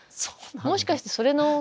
もしかしてそれの。